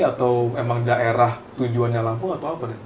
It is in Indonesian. atau memang daerah tujuannya lampung atau apa